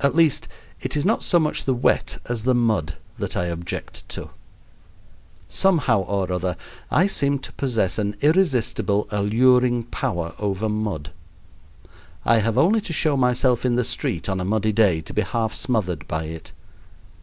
At least, it is not so much the wet as the mud that I object to. Somehow or other I seem to possess an irresistible alluring power over mud. I have only to show myself in the street on a muddy day to be half smothered by it.